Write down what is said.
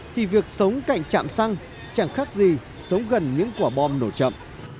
thì việc sống cạnh trạm xăng chẳng khác gì sống gần những quả bom nổ chậm